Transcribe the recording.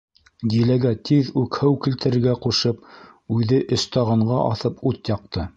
Диләгә тиҙ үк һыу килтерергә ҡушып, үҙе өстағанға аҫып ут яҡты.